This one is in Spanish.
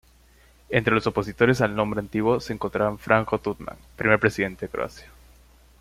Entre los opositores al nombre antiguo se encontraba Franjo Tuđman, primer presidente de Croacia.